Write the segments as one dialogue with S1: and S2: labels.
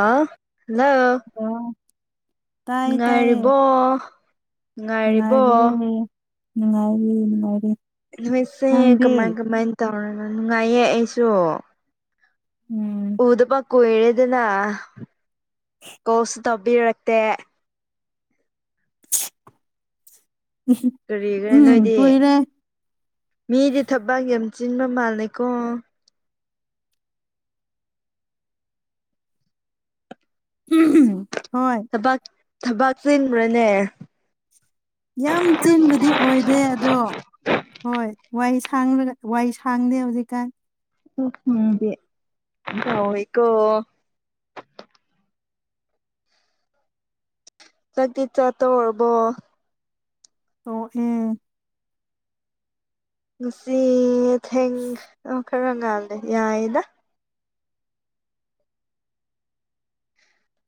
S1: ꯑꯥ ꯏ
S2: ꯑꯣ
S1: ꯅꯨꯡ ꯉꯥꯏꯔꯤꯕꯣ
S2: ꯅꯨꯡꯉꯥꯏꯔꯤꯦ ꯅꯨꯡꯉꯥꯏꯥꯏꯔꯤ ꯅꯨꯡꯉꯥꯏꯔꯤ
S1: ꯅꯨꯃꯤꯠꯁꯦ
S2: ꯅꯪꯗꯤ
S1: ꯀꯃꯥꯏ ꯀꯃꯥꯏ ꯇꯧꯔꯅꯣ ꯅꯨꯡꯉꯥꯏꯌꯦ ꯑꯩꯁꯨ
S2: ꯎꯝ
S1: ꯎꯗꯕ ꯀꯣꯏꯔꯦꯗꯅ ꯀꯣꯁꯨ ꯇꯧꯕꯤꯔꯛꯇꯦ ꯀꯔꯤ ꯀꯔ
S2: ꯎꯝ
S1: ꯅꯣꯏꯗꯤ
S2: ꯀꯨꯏꯔꯦ
S1: ꯃꯤꯗꯤ ꯊꯛꯄꯒꯤ ꯆꯤꯟꯕ ꯃꯥꯜꯅꯤꯀꯣ
S2: ꯍꯣꯏ
S1: ꯊꯕꯛ ꯊꯕꯛ ꯆꯤꯟꯕ꯭ꯔꯅꯦ
S2: ꯌꯥꯝ ꯆꯤꯟꯕꯗꯤ ꯑꯣꯏꯗꯦ ꯑꯗꯣ ꯍꯣꯏ ꯋꯥꯏ ꯁꯥꯡ ꯋꯥꯏ ꯁꯥꯡꯗꯦ ꯍꯧꯖꯤꯛꯀꯥꯟ
S1: ꯍꯝꯦꯀꯣ ꯅꯪꯗꯤ ꯆ ꯇ ꯍꯔꯕꯣ
S2: ꯇ ꯏ
S1: ꯉꯁꯤ ꯊꯦꯡ ꯈꯔ ꯅꯥꯜꯂꯦ ꯌꯥꯏꯗ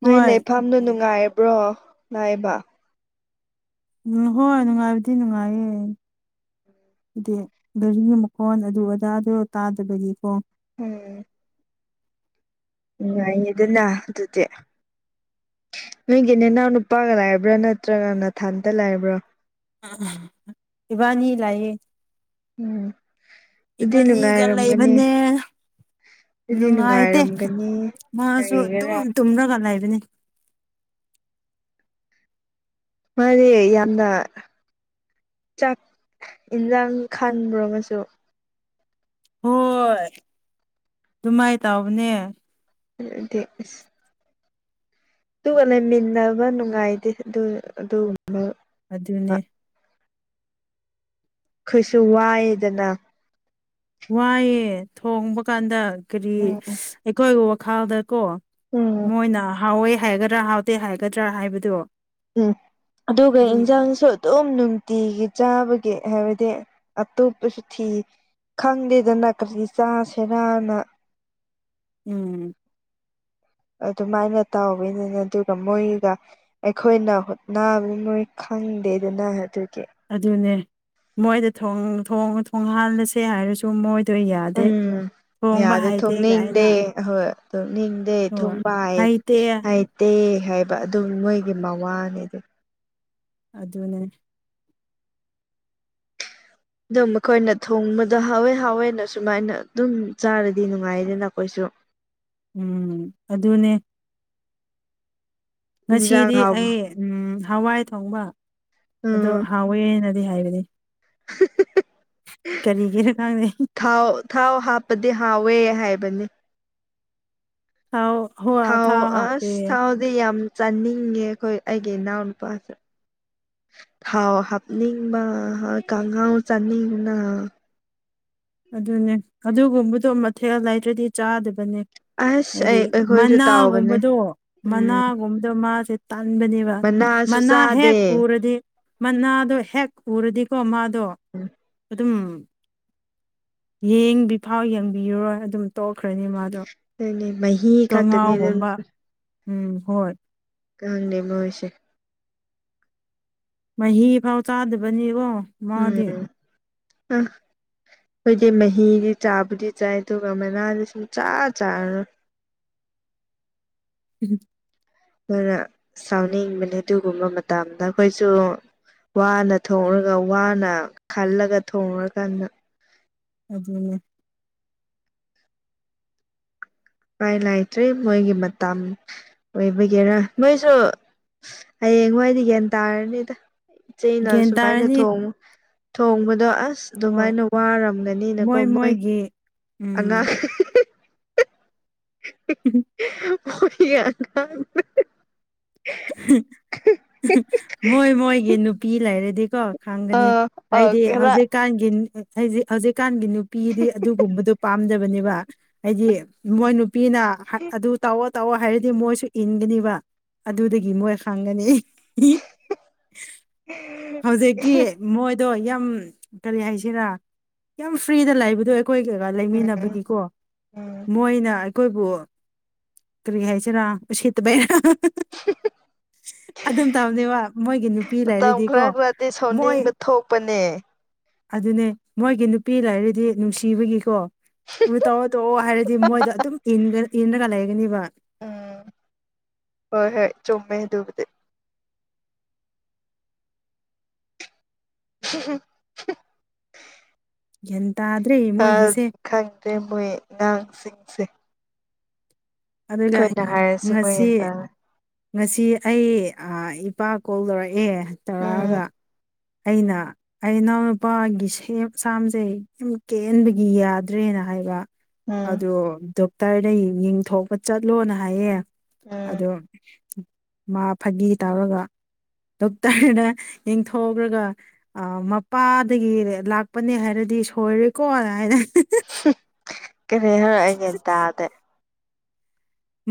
S1: ꯅꯣꯏ
S2: ꯍꯣꯏ
S1: ꯂꯩꯐꯝꯗꯨꯣ ꯅꯨꯡꯉꯥꯏꯕ꯭ꯔꯣ ꯂꯏꯕ
S2: ꯎꯝ ꯍꯣꯏ ꯅꯨꯡꯉꯥꯏꯕꯗꯤ ꯅꯨꯡꯉꯥꯏꯌꯦ ꯑꯗꯨ ꯒꯥꯔꯤ ꯃꯈꯣꯟ ꯑꯗꯨ ꯑꯖꯥꯗ ꯇꯥꯗꯕꯒꯤꯀꯣ
S1: ꯎꯝ ꯅꯨꯡꯉꯥꯏꯌꯦꯗꯅ ꯑꯗꯨꯗꯤ ꯅꯣꯏꯒꯤ ꯅꯅꯥꯎ ꯅꯨꯄꯥꯒ ꯂꯥꯏꯕ꯭ꯔꯥ ꯅꯠꯇ꯭ꯔꯒ ꯅꯊꯥꯟꯇ ꯂꯥꯏꯕ꯭ꯔꯥ
S2: ꯏꯕꯥꯅꯤ ꯂꯑꯌꯦ
S1: ꯎꯝ ꯑꯗꯨꯗꯤ
S2: ꯏꯕꯅꯤ ꯏꯒꯂ
S1: ꯅꯨꯡꯉꯥꯏꯔꯝꯒꯅꯤ
S2: ꯏꯕꯅꯦꯦ
S1: ꯑꯗꯨꯗꯤ
S2: ꯅꯨꯡꯉꯥꯏꯇꯦ
S1: ꯅꯨꯡꯉꯥꯏꯔꯝꯒꯅꯤ
S2: ꯃꯥꯁꯨ ꯑꯗꯨꯝ
S1: ꯀꯔꯤꯒꯤꯔꯥ
S2: ꯇꯨꯝꯔꯒ ꯂꯩꯕ ꯑꯗꯨꯅꯦ
S1: ꯃꯗꯤ ꯌꯦꯅ ꯆꯥꯛ ꯌꯦꯟꯁꯥꯡ ꯈꯥꯟꯕꯨꯔꯒꯁꯨ
S2: ꯍꯣꯏ ꯑꯗꯨꯃꯥꯏ ꯇꯥꯎꯕꯅꯦ
S1: ꯁ ꯑꯗꯨꯒ ꯂꯩꯃꯤꯟꯅꯕ ꯅꯨꯡꯉꯥꯏꯇꯦ ꯑꯗꯨ ꯑꯗꯨ
S2: ꯑꯗꯨꯗꯅꯦ
S1: ꯀꯣꯏꯁꯨ ꯋꯥꯏꯗꯅ
S2: ꯋꯥꯏꯌꯦꯦ ꯊꯣꯡꯕ ꯀꯥꯟꯗ ꯀꯔꯤ
S1: ꯎꯝ
S2: ꯑꯩꯈꯣꯏꯒꯤ ꯋꯥꯈꯜꯗ ꯀꯣ
S1: ꯎꯝ
S2: ꯃꯣꯏꯅ ꯍꯥꯎꯋꯦ ꯍꯥꯏꯒꯗ꯭ꯔꯥ ꯍꯥꯎꯇꯦ ꯍꯥꯏꯒꯗ꯭ꯔꯥ ꯍꯥꯏꯕꯗꯣ
S1: ꯎꯝ ꯑꯗꯨꯒ
S2: ꯑꯗꯨꯝ
S1: ꯏꯟꯖꯥꯡꯁꯨ ꯑꯗꯨꯝ ꯅꯨꯡꯇꯤꯒꯤ ꯆꯥꯕꯒꯤ ꯍꯥꯏꯗꯤ ꯑꯠꯇꯨ ꯊꯤ ꯈꯪꯗꯦꯗꯅ ꯀꯖꯤ ꯆꯁꯤꯦꯔꯥꯅ
S2: ꯎꯝ
S1: ꯑꯗꯨꯃꯥꯏꯅ ꯇꯧꯋꯅꯤꯅ ꯑꯗꯨꯒ ꯃꯣꯏꯒ ꯑꯩꯈꯣꯏꯅ ꯍꯣꯠꯅꯕ ꯃꯣꯏ ꯍꯪꯦ ꯑꯗꯨꯅ ꯑꯗꯨ
S2: ꯑꯗꯨꯅꯦ ꯃꯣꯏꯗ ꯊꯣꯡꯍꯥꯜꯂꯁꯦ ꯍꯥꯏꯔꯁꯨ ꯃꯣꯏ ꯑꯗꯨꯣꯏ ꯌꯥꯗꯦ
S1: ꯎꯝ
S2: ꯊꯣꯡꯕ
S1: ꯌꯥꯗꯦ
S2: ꯍꯩꯇꯦ ꯀꯥꯏꯅ
S1: ꯊꯣꯡꯅꯤꯡꯗꯦ ꯑꯍꯣꯏ ꯊꯣꯛꯣꯡꯅꯤꯡꯗꯦ
S2: ꯍꯣꯏ
S1: ꯊꯨꯝꯕ
S2: ꯍꯩꯇꯦ
S1: ꯍꯥꯏꯇꯦ ꯍꯥꯏꯕ ꯑꯗꯨ ꯃꯣꯏꯒꯤ ꯃꯋꯥꯅꯤꯗꯤ
S2: ꯑꯗꯨ ꯑꯗꯨꯅꯦ
S1: ꯑ ꯃꯈꯣꯏꯅ ꯊꯣꯡꯕꯗ ꯍꯥꯎꯋꯦ ꯍꯥꯎꯋꯦꯅ ꯁꯨꯃꯥꯏꯅ ꯑꯗꯨꯝ ꯆꯥꯔꯗꯤ ꯅꯨꯡꯉꯥꯏꯗꯅꯈꯣꯏꯁꯨ [unintelligible]
S2: ꯎꯝ ꯑꯗꯨꯅꯦ
S1: ꯏꯟꯖꯥꯡ
S2: ꯉꯁꯤꯗꯤ
S1: ꯍꯥꯎꯕ
S2: ꯑꯩ ꯍꯋꯥꯏ ꯊꯣꯡꯕ ꯑꯣ
S1: ꯎꯝ
S2: ꯍꯥꯎꯋꯦꯅ ꯍꯥꯏꯕꯗꯤ
S1: [unintelligible]
S2: ꯀꯔꯤꯒꯤꯔꯀꯥꯡꯦ
S1: ꯊꯥꯎ ꯊꯥꯎ ꯍꯥꯞꯄꯗꯤ ꯍꯥꯎꯋꯦ ꯍꯥꯏꯕꯅꯤ
S2: ꯊꯥꯎ ꯍꯣꯏ
S1: ꯊꯥꯎ ꯑꯁ
S2: ꯍꯥꯞꯄꯦ
S1: ꯊꯥꯎꯗꯤ ꯌꯥꯝ ꯆꯥꯅꯤꯡꯉꯦ ꯑꯩꯈꯣꯏ ꯑꯩꯒꯤ ꯏꯅꯥꯎꯅꯨꯄꯥꯁꯦ ꯊꯥꯎ ꯍꯥꯞꯅꯤꯡꯕ ꯀꯥꯡꯉꯥꯎ ꯆꯥꯅꯤꯡꯅ
S2: ꯑꯗꯨꯅꯦ ꯑꯗꯨꯒꯨꯝꯕꯗꯣ ꯃꯊꯦꯜ ꯂꯩꯇ꯭ꯔꯗꯤ ꯆꯥꯗꯕꯅꯦ
S1: ꯑꯁ
S2: ꯍꯥꯏꯗꯤ
S1: ꯑꯩ ꯑꯩꯈꯣꯏꯁꯨ ꯇꯥꯎꯕꯅꯦ
S2: ꯃꯅꯥꯒꯨꯝꯕꯗꯣ
S1: ꯎꯝ
S2: ꯃꯅꯥꯒꯨꯝꯕꯗꯣ ꯃꯥꯁꯦ ꯇꯟꯥꯟꯕꯅꯦꯕ
S1: ꯃꯅꯥꯁꯨ
S2: ꯃꯅꯥ ꯍꯦꯛ
S1: ꯆꯥꯗꯦ
S2: ꯎꯔꯗꯤ ꯃꯅꯥꯗꯣ ꯍꯦꯛ ꯎꯔꯗꯤꯀꯣ ꯃꯥ ꯑꯗꯣ ꯑꯗꯨꯝ ꯌꯦꯡꯕꯤ ꯐꯥꯎ ꯌꯦꯡꯕꯤꯔꯔꯣꯏ ꯑꯗꯨꯝ ꯇꯣꯛꯈ꯭ꯔꯅꯤ ꯃꯥꯗꯣ
S1: ꯑ ꯃꯍꯤ ꯈꯇꯅꯤ ꯑꯗꯨ
S2: ꯀꯉꯥꯎꯒꯨꯝꯕ ꯎꯝ ꯍꯣꯏ
S1: ꯀꯥꯟ ꯂꯩꯃꯣꯏꯁꯦ
S2: ꯃꯍꯤ ꯐꯥꯎ ꯆꯥꯗꯕꯅꯤꯀꯣ ꯃꯥꯗꯤ
S1: ꯎꯝ ꯑ [unintelligible] [inaudible] ꯑꯩꯣꯏꯗꯤ ꯃꯍꯤꯗꯤ ꯆꯥꯕꯨꯗꯤ ꯆꯥꯏ ꯑꯗꯨꯒ ꯃꯅꯥꯗꯤ ꯁꯨꯝ ꯆꯥ ꯆꯥꯔꯔꯣꯏ
S2: ꯎꯝ
S1: ꯑꯗꯨꯈꯣꯏꯅ ꯁꯥꯎꯅꯤꯡꯕꯅꯦ ꯑꯗꯨꯒꯨꯝꯕ ꯃꯇꯝꯗ ꯑꯩꯈꯣꯏꯁꯨ ꯋꯥꯅ ꯊꯣꯡꯉꯒ ꯋꯥꯅ ꯈꯜꯂꯒ ꯊꯣꯡꯉꯨꯔꯀꯥꯟꯗ
S2: ꯑꯗꯨ
S1: ꯏꯄꯥꯏ ꯂꯥꯏꯇ꯭ꯔꯦ ꯃꯣꯏꯒꯤ ꯃꯇꯝ ꯑꯣꯏꯕꯒꯦꯔꯥ ꯅꯣꯏꯁꯨ ꯍꯌꯦꯡꯋꯥꯏꯗꯤ ꯒ꯭ꯌꯥꯟ ꯇꯥꯔꯅꯤꯗ ꯏꯆꯦꯩꯅ
S2: ꯒ꯭ꯌꯥꯟ
S1: ꯁꯨꯃꯥꯏꯅ
S2: ꯇꯥꯔꯅꯤ
S1: ꯊꯣꯡ ꯊꯣꯡꯕꯗꯣ ꯑꯁ ꯑꯁ
S2: ꯍꯣꯏ
S1: ꯑꯗꯨꯃꯥꯏꯅ ꯋꯥꯔꯝꯒꯅꯤꯅꯀꯣ ꯃꯣꯏ
S2: ꯎꯝ
S1: ꯑꯉꯥꯡ ꯍ ꯌꯥ
S2: ꯃꯣꯏ ꯃꯣꯏꯒꯤ ꯅꯨꯄꯤ ꯂꯩꯔꯗꯤꯀꯣ
S1: ꯑ
S2: ꯈꯪꯒꯅꯤ
S1: ꯑ
S2: ꯍꯥꯏꯗꯤ
S1: ꯈꯔ
S2: ꯍꯧꯖꯤꯛꯀꯥꯟꯒꯤ ꯍꯧꯖꯤꯛ ꯍꯧꯖꯤꯀꯥꯟꯒꯤ ꯅꯨꯄꯤꯗꯤ ꯑꯗꯨꯒꯨꯝꯕꯗꯣ ꯄꯥꯝꯖꯕꯅꯦꯕ ꯍꯥꯏꯗꯤ ꯃꯣꯏ ꯅꯨꯄꯤꯅ ꯑꯗꯨ ꯇꯧꯑꯣ ꯇꯧꯑꯣ ꯍꯥꯏꯔꯗꯤ ꯃꯣꯏꯁꯨ ꯏꯟꯒꯅꯤꯕ ꯑꯗꯨꯗꯒꯤ ꯃꯣꯏ ꯈꯪꯒꯅꯤ ꯍꯧꯖꯤꯛꯇꯤ ꯃꯣꯏ ꯑꯗꯣ ꯌꯥꯝ ꯀꯔꯤ ꯍꯥꯏꯁꯤꯔꯥ ꯌꯥꯝ ꯐ꯭ꯔꯤꯗ ꯂꯩꯕꯗꯣ ꯑꯩꯈꯣꯏ ꯀꯩꯀꯥ ꯂꯩꯃꯤꯟꯅꯕꯒꯤꯀꯣ ꯃꯣꯏꯅ ꯑꯩꯈꯣꯏꯕꯨ ꯀꯔꯤ ꯍꯥꯏꯁꯤꯔꯥ ꯎꯁꯤꯠꯇꯕꯩꯔꯥ
S1: [unintelligible] [inaudible]
S2: ꯑꯗꯨꯝ ꯇꯕꯅꯦꯕ ꯃꯣꯏꯒꯤ ꯅꯨꯄꯤ
S1: ꯃꯇꯝ
S2: ꯂꯩꯔꯗꯤꯀꯣ
S1: ꯈꯔ ꯈꯔꯗꯤ
S2: ꯃꯣꯏ
S1: ꯁꯥꯎꯅꯤꯡꯕ ꯊꯣꯛꯄꯅꯦ
S2: ꯑꯗꯨꯅꯦ ꯃꯣꯏꯒꯤ ꯅꯨꯄꯤ ꯂꯥꯏꯔꯗꯤ ꯅꯨꯡꯁꯤꯕꯒꯤꯀꯣ ꯑꯗꯨ ꯇꯧꯑꯣ ꯇꯧꯑꯣ ꯍꯥꯏꯔꯗꯤ ꯃꯣꯏꯗ ꯑꯗꯨꯝ ꯏꯟꯔꯒ ꯂꯩꯒꯅꯦꯕ
S1: ꯍꯣꯏ ꯆꯃꯦ ꯑꯗꯨꯕꯗ [unintelligible] [inaudible]
S2: ꯌꯦꯟ
S1: ꯈꯪꯗꯦ ꯃꯣꯏ ꯑꯉꯥꯡꯁꯤꯡꯁꯦ
S2: ꯑꯗꯨꯒ
S1: ꯑꯩꯈꯣꯏꯅ ꯍꯥꯏꯔꯁꯨ ꯃꯣꯏ
S2: ꯉꯁꯤ
S1: ꯒ꯭ꯌꯥꯟ ꯇꯥꯔꯦ
S2: ꯉꯁꯤ ꯑꯩ ꯏꯄꯥ ꯀꯣꯜ ꯇꯧꯔꯛꯑꯦ
S1: ꯎꯝ
S2: ꯇꯧꯔꯛꯑꯒ ꯑꯩꯅ ꯑꯩ ꯏꯅꯥꯎꯅꯄꯥꯒꯤ ꯁꯥꯝꯁꯦ ꯌꯥꯝ ꯀꯦꯟꯕꯒꯤ ꯌꯥꯗ꯭ꯔꯦꯅ ꯍꯥꯏꯕ
S1: ꯎꯝ
S2: ꯑꯣ ꯗꯣꯛꯇꯔꯅ ꯌꯦꯡꯊꯣꯛꯄ ꯆꯠꯂꯣꯅ ꯍꯥꯏꯌꯦ
S1: ꯎꯝ
S2: ꯑꯗꯣ ꯃꯥ ꯐꯥꯒꯤ ꯇꯧꯔꯒ ꯗꯣꯛꯇꯔꯅ ꯌꯦꯡꯊꯣꯛꯈ꯭ꯔꯒ ꯃꯄꯥꯗꯒꯤ ꯂꯥꯛꯄꯅꯦ ꯍꯥꯏꯔꯗꯤ ꯗꯤ ꯁꯣꯏꯔꯦꯀꯣ ꯑꯗꯨꯃꯥꯏꯅ
S1: ꯀꯔꯤ ꯍꯥꯏ ꯑꯩꯟ ꯇꯥꯗ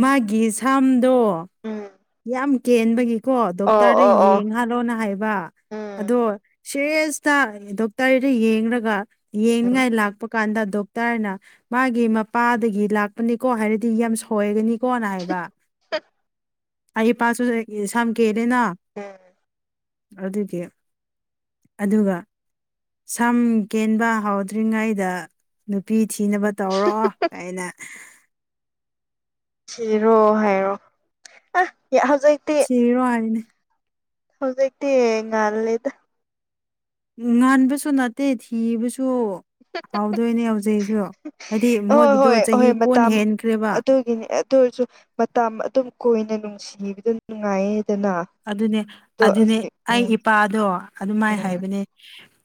S2: ꯃꯥꯒꯤ ꯊꯝ
S1: ꯎꯝ
S2: ꯌꯥꯝ ꯀꯦꯟꯕꯒꯤꯀꯣ
S1: ꯑꯣ
S2: ꯗꯣꯛꯇꯔꯗ
S1: ꯑꯣ ꯑꯣ
S2: ꯌꯦꯡ ꯍꯥꯥꯜꯂꯣꯅ ꯍꯥꯏꯕ
S1: ꯎꯝ
S2: ꯑꯗꯣ ꯁꯦꯁꯇ ꯗꯣꯛꯇꯔꯗ ꯌꯦꯡꯒ
S1: ꯎꯝ
S2: ꯌꯦꯡꯅꯤꯡꯉꯥꯏ ꯂꯥꯛꯄ ꯀꯥꯟꯗ ꯗꯣꯛꯇꯔꯅ ꯃꯥꯒꯤ ꯃꯄꯥꯗꯒꯤ ꯂꯥꯛꯄꯅꯤꯀꯣ ꯍꯥꯏꯔꯗꯤ ꯌꯥꯝ ꯁꯣꯏꯒꯅꯤꯀꯣꯅ ꯍꯥꯏꯕ
S1: ꯍ [unintelligible] [inaudible]
S2: ꯑꯩꯄꯥꯁꯨ ꯁꯝꯒꯦꯗꯅ
S1: ꯎꯝ
S2: ꯑꯗꯨꯗꯤ ꯑꯗꯨꯒ ꯁꯝ ꯀꯦꯟꯕ ꯍꯧꯥꯎꯗ꯭ꯔꯤꯉꯩꯗ ꯅꯨꯄꯤ ꯊꯤꯅꯕ ꯇꯧꯔꯑꯣ ꯑꯩꯅ
S1: ꯁꯤꯔꯣ ꯍꯥꯏꯔꯣ ꯑ ꯍꯧꯖꯤꯛꯇꯤ
S2: ꯆꯦꯔꯣꯅꯦ
S1: ꯍꯧꯖꯤꯛꯇꯤ ꯉꯥꯟ ꯂꯩꯗ
S2: ꯎ ꯉꯟꯥꯟꯕꯁꯨ ꯅꯠꯇꯦ ꯊꯤꯕꯁꯨ ꯍꯥꯎꯗꯣꯏꯅꯦ ꯍꯧꯖꯛꯁꯨ ꯍꯥꯏꯗꯤ
S1: ꯍꯣꯏ
S2: ꯃꯣꯏꯒꯤꯗꯣ
S1: ꯍꯣꯏ
S2: ꯆꯍꯤ
S1: ꯍꯣꯏ
S2: ꯀꯣꯟ
S1: ꯃꯇꯝ
S2: ꯍꯦꯟꯈ꯭ꯔꯦꯕ
S1: ꯑꯗꯨꯒꯤꯅꯤ ꯑꯗꯨ ꯑꯣꯏꯔꯁꯨ ꯃꯇꯝ ꯑꯗꯨꯝ ꯀꯣꯏꯅ ꯅꯨꯡꯁꯤꯕꯗ ꯅꯨꯡꯉꯥꯏꯌꯦ
S2: ꯑꯗꯨꯅꯦ ꯑꯗꯨꯅꯦ ꯑꯩ
S1: ꯎꯝ
S2: ꯏꯄꯥꯗꯣ ꯑꯗꯨꯃꯥꯏꯅ
S1: ꯎꯝ
S2: ꯍꯥꯏꯕꯅꯦ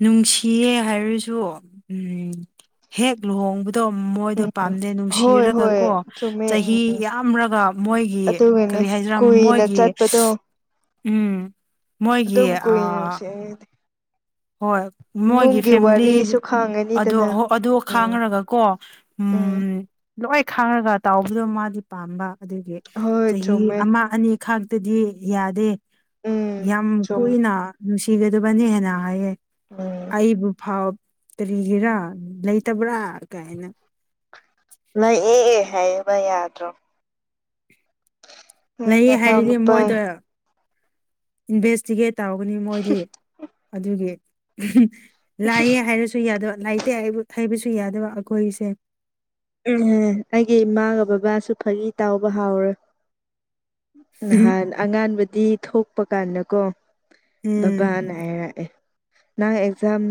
S2: ꯅꯨꯡꯁꯤꯌꯦ ꯍꯥꯏꯔꯁꯨ ꯎ ꯍꯦꯛ ꯂꯨꯍꯣꯡꯕ ꯑꯗꯨꯣ ꯃꯣꯏꯗꯣ
S1: ꯎꯝ
S2: ꯄꯥꯝꯗꯦ
S1: ꯍꯣꯏ
S2: ꯅꯨꯡꯁꯤꯔꯒ
S1: ꯍꯣꯏ
S2: ꯀꯣ
S1: ꯆꯨꯝꯃꯦ
S2: ꯆꯍꯤ
S1: ꯎꯝ
S2: ꯌꯥꯝꯔꯒ ꯃꯣꯏꯒꯤ
S1: ꯑꯗꯨꯒꯅꯦ
S2: ꯀꯔꯤ ꯍꯥꯏꯗꯔꯥ
S1: ꯀꯨꯏꯅ
S2: ꯃꯣꯏꯒꯤ
S1: ꯆꯠꯄꯗꯣ
S2: ꯎꯝ ꯃꯣꯏꯒꯤ
S1: ꯑꯗꯨꯝ
S2: ꯑ
S1: ꯀꯨꯏꯅ ꯅꯨꯡꯁꯤꯔꯗꯤ
S2: ꯍꯣꯏ ꯃꯣꯏꯒꯤ
S1: ꯏꯃꯨꯡꯒꯤ
S2: ꯐꯦꯃꯤꯂꯤ
S1: ꯋꯥꯔꯤꯁꯨ
S2: ꯑꯗꯣ
S1: ꯈꯪꯉꯅꯤꯗꯅ
S2: ꯍꯣꯏ ꯑꯗꯣ
S1: ꯎꯝ
S2: ꯈꯥꯡꯈ꯭ꯔꯒ ꯀꯣ ꯎꯝ ꯂꯣꯏ ꯈꯥꯡꯉꯒ ꯇꯥꯎꯕꯗꯣ ꯃꯥꯗꯤ ꯄꯥꯝꯕ ꯑꯗꯨꯒꯤ
S1: ꯍꯣꯏ
S2: ꯆꯍꯤ
S1: ꯆꯨꯝꯃꯦ
S2: ꯑꯃ ꯑꯅꯤ ꯈꯥꯛꯇꯗꯤ ꯌꯥꯗꯦ
S1: ꯎꯝ
S2: ꯌꯥꯝ
S1: ꯆꯨꯝ
S2: ꯀꯨꯏꯅ ꯅꯨꯡꯁꯤꯒꯗꯕꯅꯤ ꯍꯦꯟꯅ ꯍꯥꯏꯌꯦꯦ
S1: ꯎꯝ
S2: ꯑꯩꯕꯨ ꯐꯥꯎ ꯀꯔꯤꯒꯤꯦꯔꯥ ꯂꯩꯇꯕ꯭ꯔꯥ ꯀꯥꯏꯅ
S1: ꯅ ꯑꯦ ꯍꯥꯏꯕ ꯌꯥꯗ꯭ꯔꯣ ꯅꯣꯏ
S2: ꯂꯩ
S1: ꯅꯅꯥꯎ
S2: ꯍꯥꯏꯔꯗꯤ
S1: ꯅꯨꯄꯥ
S2: ꯃꯣꯏꯗ ꯏꯟꯚꯦꯁꯇꯤꯒꯦꯠ ꯇꯧꯒꯅꯤ ꯃꯣꯏꯗꯤ ꯑꯗꯨꯒꯤ ꯂꯥꯛꯑꯦ ꯍꯥꯏꯔꯁꯨ ꯌꯥꯗꯣ ꯂꯩꯇꯦ ꯍꯥꯏꯩꯕꯁꯨ ꯌꯥꯗꯕ ꯑꯩꯈꯣꯏꯁꯦ
S1: ꯎꯝ ꯎꯝ ꯑꯩꯒꯤ ꯏꯃꯥꯒ ꯕꯕꯥꯁꯨ ꯐꯥꯒꯤ ꯇꯥꯎꯕ ꯍꯥꯎꯔꯦ ꯅꯍꯥꯟ ꯑꯉꯥꯟꯕꯗꯤ ꯊꯣꯛꯄ ꯀꯥꯟꯗꯀꯣ
S2: ꯎꯝ
S1: ꯕꯥꯅꯦ ꯅꯪ ꯑꯦꯛꯖꯥꯝ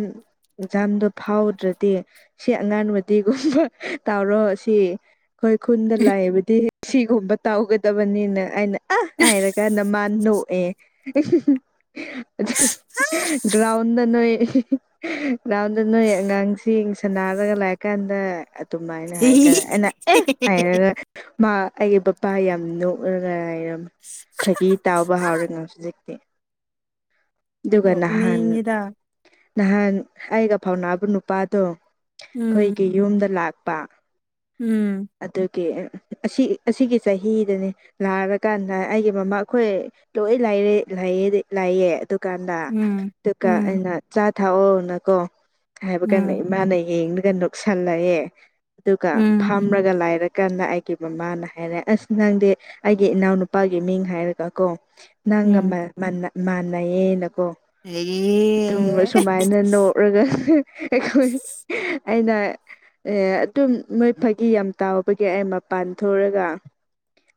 S1: ꯑꯦꯛꯖꯥꯝꯗꯣ ꯐꯥꯎꯗ꯭ꯔꯗꯤ ꯁꯤ ꯑꯉꯥꯡꯕꯗꯤꯒꯨꯝꯕ ꯇꯥꯎꯔꯣ ꯁꯤ ꯑꯩꯈꯣꯏ ꯈꯨꯟꯗ ꯂꯥꯛꯏꯕꯗꯤ ꯁꯤꯒꯨꯝꯕ ꯇꯧꯒꯗꯕꯅꯤꯅ ꯑꯩꯅ ꯑ ꯍꯥꯏꯔ ꯀꯥꯟꯗ ꯃꯥ ꯅꯣꯛꯑꯦ ꯭ꯔꯥꯎꯟꯗ ꯅꯣꯏ ꯅꯣꯟꯗ ꯅꯣꯏ ꯑꯉꯥꯡꯁꯤ ꯁꯅꯥꯔꯒ ꯂꯥꯛꯀꯥꯟꯗ ꯑꯗꯨꯃꯥꯏꯅ ꯍꯥꯏꯔꯒꯥꯟꯗ ꯑꯩꯅ ꯑꯦ ꯍꯥꯏꯔꯒ ꯃꯥ ꯑꯩꯒꯤ ꯕꯄꯥ ꯌꯥꯝ ꯅꯣꯛꯂꯒꯥꯏꯔꯝꯃꯦ ꯐꯥꯒꯤ ꯇꯥꯎꯕ ꯍꯥꯎꯔꯦ ꯉꯥ ꯍꯧꯖꯤꯛꯇꯤ ꯑꯗꯨꯒꯗꯨ ꯅꯍꯥꯟ
S2: ꯅꯣꯛꯅꯤꯡꯉꯤꯗ
S1: ꯅꯍꯥꯟ ꯑꯩꯒ ꯐꯥꯎꯅꯕ ꯅꯨꯄꯥꯗꯣ ꯑꯩꯈꯣꯏꯒꯤ
S2: ꯎꯝ
S1: ꯌꯨꯝꯗ ꯂꯥꯛꯄ
S2: ꯎꯝ
S1: ꯑꯗꯨꯒꯤ ꯑꯁꯤ ꯑꯁꯤꯒꯤ ꯆꯍꯤꯗꯅꯤ ꯂꯥꯛꯔꯀꯥꯟꯗ ꯑꯩꯒꯤ ꯃꯃꯥ ꯑꯩꯈꯣꯏ ꯂꯣꯏ ꯂꯥꯏ ꯂꯩꯔꯦ ꯂꯩꯑ ꯂꯥꯏꯑ ꯗꯨꯀꯥꯟꯗ
S2: ꯎꯝ
S1: ꯑꯗꯨꯒꯀ
S2: ꯎꯝ
S1: ꯑꯩꯅ ꯆꯥ ꯊꯥꯛꯑꯣꯅꯀꯣ ꯍꯥꯏꯕ ꯀꯥꯟꯗ
S2: ꯎꯝ
S1: ꯏꯃꯥꯅ ꯌꯦꯡꯂꯒ ꯅꯣꯛꯁꯜꯂꯑꯦ ꯑꯗꯨꯒ
S2: ꯎꯝ
S1: ꯐꯝꯔꯒ ꯂꯥꯏꯔꯒ ꯀꯗ ꯑꯩꯒꯤ ꯃꯃꯥꯅ ꯍꯥꯏꯔꯦ ꯑꯁ ꯅꯪꯗꯤ ꯑꯩꯒꯤ ꯏꯅꯥꯎꯅꯨꯄꯥꯒꯤ ꯃꯤꯡ ꯍꯥꯏꯔꯒ ꯀꯣ ꯅꯪꯃ ꯃꯅꯥ ꯃꯥꯅ ꯌꯦꯅ
S2: ꯑꯩ
S1: ꯑꯗꯨꯒꯨꯝꯕ ꯁꯨꯃꯥꯏꯅ ꯅꯣꯛꯔꯒ ꯑꯩꯅ ꯑꯦ ꯑꯗꯨꯝ ꯅꯣꯏ ꯐꯥꯒꯤ ꯌꯥꯝ ꯇꯥꯎꯕꯒꯤ ꯑꯩ ꯃꯄꯥꯟ ꯊꯣꯛꯑꯒ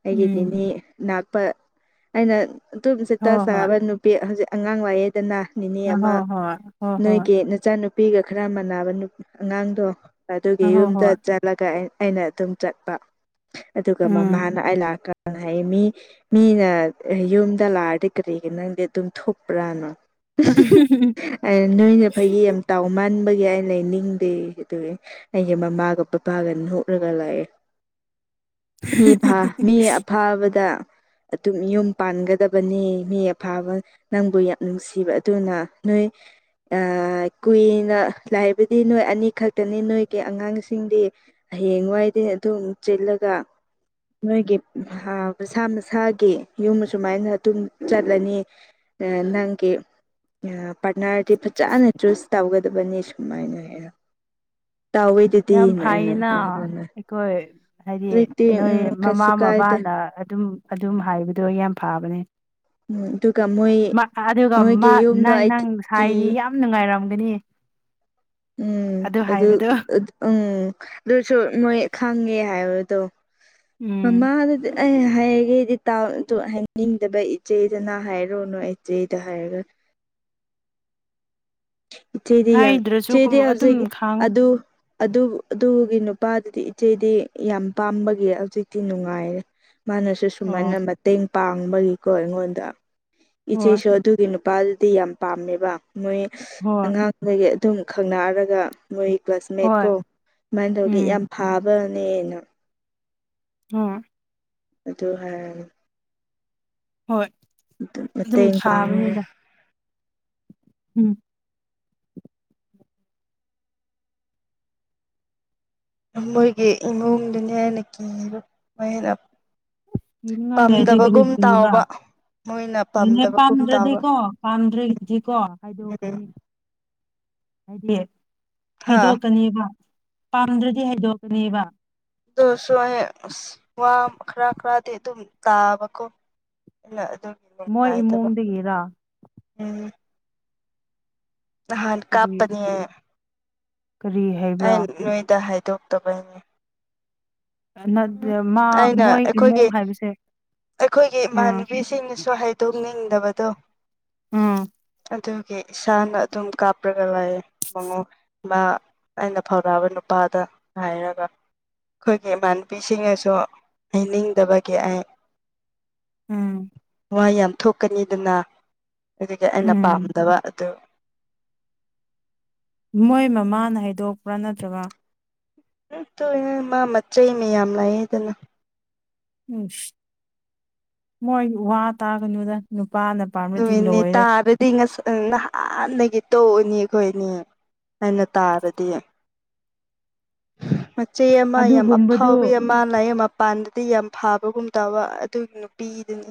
S1: ꯑꯩꯒꯤ
S2: ꯎꯝ
S1: ꯅꯤꯅꯤ ꯅꯥꯛꯄ ꯑꯩꯅ ꯑꯗꯨꯨꯝ ꯆꯤꯠꯇ
S2: ꯍꯣꯏ ꯍꯣꯏ
S1: ꯁꯥꯕ ꯅꯨꯄꯤ ꯍꯧꯖꯤꯛ ꯑꯉꯥꯡ ꯋꯥꯏꯌꯦꯗꯅ ꯅꯤꯅꯦ
S2: ꯍꯣꯏ
S1: ꯑꯃ
S2: ꯍꯣꯏ ꯍꯣꯏ
S1: ꯅꯣꯏꯒꯤ ꯅꯆꯥꯅꯨꯄꯤ ꯅꯨꯄꯤꯒ ꯈꯔ ꯃꯥꯟꯅꯕ ꯑꯉꯥꯡꯗꯣ ꯑꯗꯨ ꯑꯗꯨꯒꯤ
S2: ꯍꯣꯏ ꯍꯣꯏ
S1: ꯌꯨꯝꯗ
S2: ꯍꯣꯏ
S1: ꯂꯒ ꯑꯩꯅ ꯑꯗꯨꯝ ꯆꯠꯄ ꯑꯗꯨꯒ
S2: ꯎꯝ
S1: ꯃꯃꯥꯅ ꯑꯩ ꯂꯥꯛ ꯍꯥꯏ ꯃꯤ ꯃꯤꯅ ꯌꯨꯝꯗ ꯂꯥꯛꯑꯗꯤ ꯀꯔꯤꯒꯤ ꯅꯪꯗꯤ ꯑꯗꯨꯝ ꯊꯣꯛꯄ꯭ꯔꯥꯅꯣ ꯅꯣꯏꯅ ꯐꯩꯒꯤ ꯌꯥꯝ ꯇꯥꯎ ꯃꯥꯟꯕꯒꯤ ꯌꯥ ꯂꯩꯅꯤꯡꯗꯦ ꯑꯗꯨ ꯑꯩꯒꯤ ꯃꯃꯥꯒ ꯄꯄꯥꯒ ꯅꯂꯒ ꯂꯥꯛꯑꯦ ꯃꯤꯥ ꯃꯤ ꯑꯐꯥꯕꯗ ꯑꯗꯨꯝ ꯌꯨꯝ ꯄꯥꯟꯒꯗꯕꯅꯤ ꯃꯤ ꯑꯐꯥꯕ ꯅꯪꯕꯨ ꯌꯥꯝ ꯅꯨꯡꯁꯤꯕ ꯑꯗꯨꯅ ꯅꯣꯏ ꯀꯨꯏꯅ ꯂꯥꯛꯕꯗꯤ ꯅꯣꯏ ꯑꯅꯤ ꯈꯛꯇꯅꯤ ꯅꯣꯏꯒꯤ ꯑꯉꯥꯡ ꯁꯤꯡꯗꯤ ꯍꯌꯦꯋꯥꯏꯗ ꯑꯗꯨꯝ ꯆꯜꯂꯒ ꯅꯣꯏꯒꯤ ꯃꯁꯥ ꯃꯁꯥꯒꯤ ꯌꯨꯝ ꯁꯨꯃꯥꯏꯅ ꯑꯗꯨꯝ ꯆꯠꯂꯅꯤ ꯦ ꯄꯥꯔꯠꯅꯔꯗꯤ ꯐꯖꯅ ꯆꯨꯁ ꯇꯧꯒꯗꯕꯅꯤ ꯁꯨꯃꯥꯏꯅ ꯍꯥꯏꯅ ꯇꯧꯋ
S2: ꯌꯥꯝ ꯐꯩꯌꯦꯅ ꯑꯩꯈꯣꯏ ꯍꯥꯏꯗꯤ
S1: ꯍꯧꯖꯤꯛꯇꯤ
S2: ꯅꯣꯏ
S1: ꯎꯝ
S2: ꯃꯃꯥ
S1: ꯀꯩꯁꯨ ꯀꯥꯏꯗꯦ
S2: ꯃꯕꯥꯅ ꯑꯗꯨꯝ ꯑꯗꯨꯝ ꯍꯥꯏꯕꯗꯣ ꯌꯥꯝ ꯐꯕꯅꯦ
S1: ꯎꯝ ꯑꯗꯨꯒ ꯃꯣꯏ
S2: ꯑꯗꯨꯒ
S1: ꯃꯣꯏꯒꯤ
S2: ꯃꯥ
S1: ꯌꯨꯝꯗꯣ
S2: ꯅꯪ
S1: ꯑꯩ ꯀꯤ
S2: ꯅꯪꯁꯥꯏꯗꯤ ꯌꯥꯝ ꯅꯨꯡꯉꯥꯏꯔꯝꯒꯅꯤ
S1: ꯎꯝ ꯑꯗꯨ ꯎꯝ ꯑꯗꯨꯁꯨ ꯃꯣꯏ ꯈꯪꯉꯦ ꯍꯥꯏꯕꯗꯣ ꯃꯃ
S2: ꯎꯝ
S1: ꯑꯗꯤ ꯑꯩ ꯍꯥꯏꯔꯒꯦꯗꯤ ꯇꯥꯎ ꯍꯥꯏꯅꯤꯡꯗꯕ ꯏꯆꯦꯗꯅ ꯍꯥꯏꯔꯨꯅꯨ ꯑꯩ ꯏꯆꯦꯗ ꯍꯥꯏꯔꯒ ꯏꯆꯦꯗꯤ ꯌꯥꯝ ꯏ
S2: ꯍꯥꯏꯗ꯭ꯔꯁꯨ
S1: ꯆꯦꯗꯤ
S2: ꯀꯨꯝ- ꯑꯗꯨꯝ
S1: ꯍꯧꯖꯤꯛ
S2: ꯈꯥꯡꯉꯨ
S1: ꯑꯗꯨ ꯑꯗꯨ ꯑꯗꯨꯒꯤ ꯅꯨꯄꯥ ꯑꯗꯨꯗꯤ ꯏꯆꯦꯗꯤ ꯌꯥꯝ ꯄꯥꯝꯕꯒꯤ ꯍꯧꯖꯤꯛꯇꯤ ꯅꯨꯡꯉꯥꯏꯔꯦ ꯃꯥꯅꯁꯨ
S2: ꯑꯣ
S1: ꯁꯨꯃꯥꯏꯅ ꯃꯇꯦꯡ ꯄꯥꯡꯕꯒꯤꯀꯣ ꯑꯩꯉꯣꯟꯗ
S2: ꯍꯣꯏ
S1: ꯏꯆꯦꯁꯨ ꯑꯗꯨꯒꯤ ꯅꯨꯄꯥꯗꯨꯗꯤ ꯌꯥꯝ ꯄꯥꯝꯃꯦꯕ ꯃꯣꯏ
S2: ꯍꯣꯏ
S1: ꯑꯉꯥꯡꯗꯒꯤ ꯑꯗꯨꯝ ꯈꯪꯅꯔꯒ ꯃꯣꯏ ꯀ꯭ꯂꯥꯁꯃꯦꯠ
S2: ꯍꯣꯏ
S1: ꯀꯣ ꯁꯨꯃꯥꯏꯅ ꯇꯧꯒꯦ
S2: ꯎꯝ
S1: ꯌꯥꯝ ꯐꯥꯕꯅꯦꯅ
S2: ꯑꯝ
S1: ꯑꯗꯨ ꯍꯥꯏ
S2: ꯍꯣꯏ ꯑꯗꯨꯝ
S1: ꯃꯇꯦꯡ ꯄꯥꯡꯉꯦ
S2: ꯊꯥꯕꯅꯤꯗ ꯎꯝ
S1: ꯃꯣꯏꯒꯤ ꯏꯃꯨꯡꯗꯨꯅꯤ ꯍꯥꯏꯅ ꯀꯤꯅ ꯄꯥꯝꯗꯕꯒꯨꯝ ꯇꯥꯎꯕ ꯃꯣꯏꯅ
S2: ꯍꯅꯦ
S1: ꯄꯥꯝꯗꯕꯒꯨꯝ ꯇꯥꯕ
S2: ꯄꯥꯝꯗ꯭ꯔꯗꯤꯀꯣ ꯄꯥꯝꯗ꯭ꯔꯔꯤꯗꯤꯀꯣ
S1: ꯎꯝ
S2: ꯍꯥꯏꯗꯣꯛꯀꯅꯤ
S1: [unintelligible]
S2: ꯍꯥꯏꯗꯤ
S1: ꯍꯥ
S2: ꯍꯩꯗꯣꯛꯀꯅꯦꯕ ꯄꯥꯝꯗ꯭ꯔꯗꯤ ꯍꯥꯏꯩꯗꯣꯛꯀꯅꯦꯕ
S1: ꯑꯣꯁꯨꯍ ꯑ ꯋꯥ ꯈꯔ ꯈꯔꯗꯤ ꯑꯗꯨꯝ ꯇꯥꯕꯀꯣ ꯏꯂ
S2: ꯃꯣꯏ ꯏꯃꯨꯡꯗꯒꯤꯔ
S1: ꯑꯥꯟ
S2: ꯀꯔꯤ
S1: ꯀꯥꯞꯄꯅꯤ
S2: ꯀꯔꯤ ꯍꯥꯏꯕ꯭ꯔꯥ
S1: ꯑꯩ ꯅꯨꯏꯗ ꯍꯥꯏꯗꯣꯛ ꯇꯧꯕꯥꯏꯅꯦ
S2: ꯅꯠꯇ ꯃꯥ
S1: ꯑꯩꯅ
S2: ꯃꯣꯏ ꯏꯃꯨꯡ
S1: ꯑꯩꯈꯣꯏꯒꯤ
S2: ꯍꯥꯏꯕꯁꯦ
S1: ꯑꯩꯈꯣꯏꯒꯤ
S2: ꯎꯝ
S1: ꯏꯃꯥꯟꯅꯕꯤꯁꯤꯡꯅꯁꯨ ꯍꯥꯏꯗꯣꯛꯅꯤꯡꯗꯕꯗꯣ
S2: ꯎꯝ
S1: ꯑꯗꯨꯒꯤ ꯏꯁꯥꯅ ꯑꯗꯨꯝ ꯀꯥꯞꯄ꯭ꯔꯒ ꯂꯥꯛꯑ ꯃꯉꯣ ꯃꯥ ꯑꯩꯅ ꯐꯥꯎꯗꯥꯕ ꯅꯨꯄꯥꯗ ꯍꯥꯏꯔꯒ ꯑꯩꯈꯣꯏꯒꯤ ꯏꯃꯥꯟ ꯅꯨꯄꯤꯁꯤꯡꯅꯁꯨ ꯍꯥꯏꯩꯅꯤꯡꯗꯕꯒꯤ ꯑꯩ
S2: ꯑꯝ
S1: ꯋꯥ ꯌꯥꯝ ꯊꯣꯛꯀꯅꯤꯗꯨꯅ ꯑꯗꯨꯗꯒꯤ ꯑꯩꯅ
S2: ꯎꯝ
S1: ꯄꯥꯝꯗꯕ ꯑꯗꯨ
S2: ꯃꯣꯏ ꯃꯃꯥꯅ ꯍꯥꯏꯗꯣꯛꯄ꯭ꯔꯥ ꯅꯠꯇ꯭ꯔꯒ
S1: ꯇꯅ ꯃꯥ ꯃꯆꯩ ꯃ ꯌꯥꯝ ꯂꯥꯛꯑꯦꯗꯅ
S2: ꯎ ꯃꯣꯏ ꯋꯥ ꯇꯥꯒꯅꯨꯗ ꯅꯨꯄꯥꯅ
S1: ꯑꯗꯨ
S2: ꯄꯥꯝꯔꯗꯤ
S1: ꯏꯅꯤ
S2: ꯂꯣꯏꯔꯦ
S1: ꯇꯥꯔꯗꯤ ꯅꯍꯥꯟꯗꯒꯤ ꯇꯧꯅꯤ ꯑꯩꯈꯣꯏꯅꯦ ꯍꯥꯏꯅ ꯇꯥꯔꯗꯤ ꯃꯆꯩ ꯑꯃ ꯌꯥꯝ
S2: ꯑꯗꯨꯒꯨꯝꯕꯗꯨ
S1: ꯑꯐꯥꯎꯕꯤ ꯑꯃ ꯂꯥꯏꯌꯦꯡ ꯃꯄꯥꯟ ꯑꯗꯤ ꯌꯥꯝ ꯐꯥꯕꯒꯨꯝ ꯇꯕ ꯑꯗꯨꯒꯤ ꯅꯨꯄꯤꯗꯨꯅꯤ